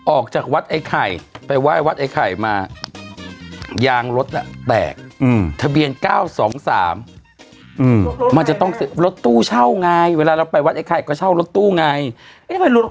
ออกจากวัดไอ้ไข่ไปไหว้วัดไอ้ไข่มายางรถน่ะแตกทะเบียน๙๒๓มันจะต้องรถตู้เช่าไงเวลาเราไปวัดไอ้ไข่ก็เช่ารถตู้ไง